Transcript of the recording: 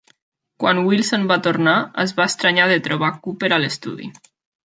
Quan Wilson va tornar, es va estranyar de trobar Kooper a l'estudi.